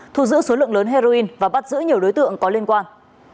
thu giữ số lượng lớn heroin và bắt giữ nhiều đối tượng có liên quan